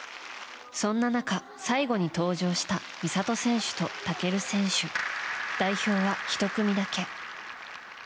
そんな中、最後に登場した美里選手と尊選手。代表は１組だけ。